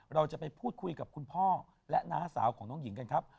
เราจะไปพูดคุยกับคุณพ่อและน้าสาวของน้องหญิงกันครับ